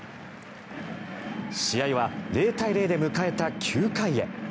試合は０対０で迎えた９回へ。